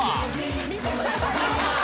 ・みてください！